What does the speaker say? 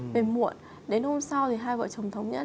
về muộn đến hôm sau thì hai vợ chồng thống nhất